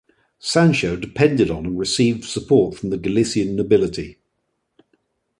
Sancho depended upon and received support from the Galician nobility.